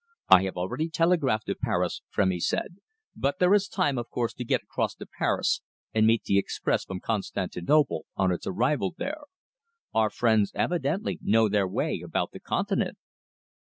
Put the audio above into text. "I have already telegraphed to Paris," Frémy said. "But there is time, of course, to get across to Paris, and meet the express from Constantinople on its arrival there. Our friends evidently know their way about the Continent!"